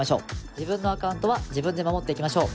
自分のアカウントは自分で守っていきましょう。